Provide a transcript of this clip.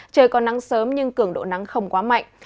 trời còn nắng sớm nhưng cường độ nắng không quá mạnh